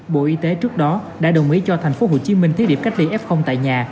bộ y tế trước đó đã đồng ý cho tp hcm thiết điệp cách ly f tại nhà